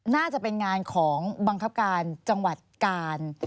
น่าจะเป็นงานของบังคับการจังหวัดกาล